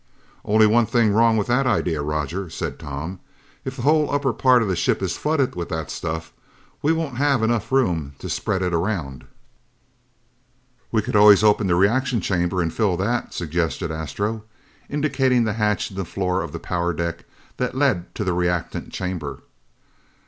"Only one thing wrong with that idea, Roger," said Tom. "If the whole upper part of the ship is flooded with that stuff, we won't have enough room to spread it around." "We could always open the reaction chamber and fill that," suggested Astro, indicating the hatch in the floor of the power deck that lead to the reactant chamber.